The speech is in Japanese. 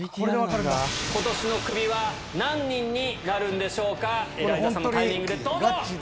ことしのクビは何人になるんでしょうか、エライザさんのタイミングでどうぞ。